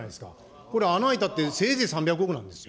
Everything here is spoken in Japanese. これ、穴開いたって、せいぜい３００億なんですよ。